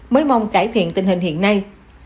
mới mong cải thiện tình hình hiện nay